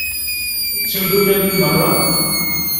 D timdukal-im merra?